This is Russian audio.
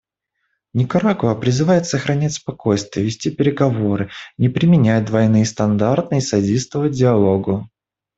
Никарагуа призывает сохранять спокойствие и вести переговоры, не применять двойные стандарты и содействовать диалогу.